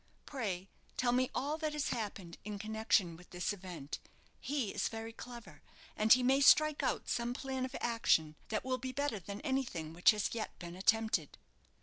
Pray tell me all that has happened in connection with this event. He is very clever, and he may strike out some plan of action that will be better than anything which has yet been attempted."